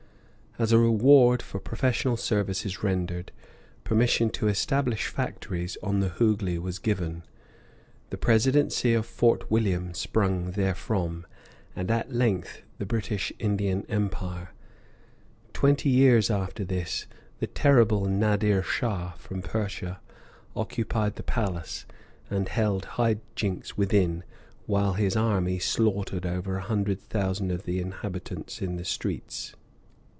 As a reward for professional services rendered, permission to establish factories on the Hooghly was given; the Presidency of Fort William sprung therefrom, and at length the British Indian Empire. Twenty years after this, the terrible Nadir Shah, from Persia, occupied the palace, and held high jinks within while his army slaughtered over a hundred thousand of the inhabitants in the streets.